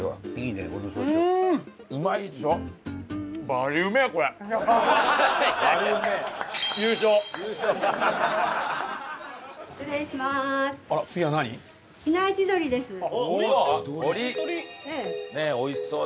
ねえおいしそうだよ。